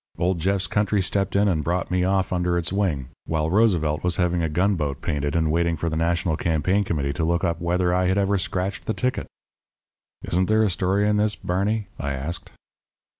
Old Jeff's country stepped in and brought me off under its wing while Roosevelt was having a gunboat painted and waiting for the National Campaign Committee to look up whether I had ever scratched the ticket." "Isn't there a story in this, Barney?" I asked.